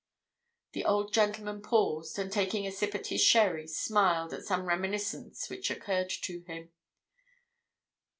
The old gentleman paused and, taking a sip at his sherry, smiled at some reminiscence which occurred to him.